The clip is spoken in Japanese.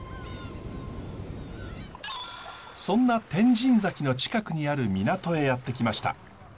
そんな天神崎の近くにある港へやって来ました。